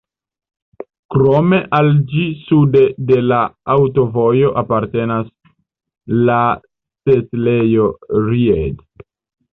Krome al ĝi sude de la aŭtovojo apartenas la setlejo Ried.